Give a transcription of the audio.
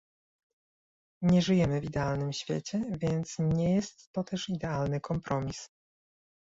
Nie żyjemy w idealnym świecie, więc nie jest to też idealny kompromis